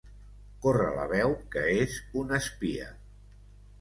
Corre la veu que és un espia.